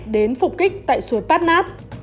đến phục kích tại suối pát nát